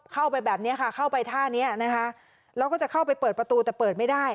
เข้าไปแบบนี้ค่ะเข้าไปท่านี้นะคะแล้วก็จะเข้าไปเปิดประตูแต่เปิดไม่ได้